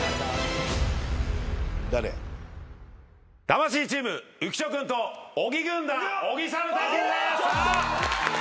魂チーム浮所君と小木軍団小木さんの対決です！